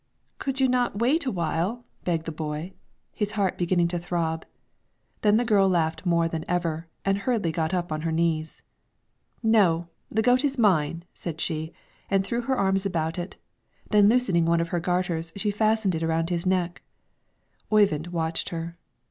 "Could you not wait a while," begged the boy, his heart beginning to throb. Then the girl laughed more than ever, and hurriedly got up on her knees. "No, the goat is mine," said she, and threw her arms about it, then loosening one of her garters she fastened it around its neck. Oyvind watched her.